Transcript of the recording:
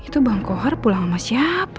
itu bang kohar pulang sama siapa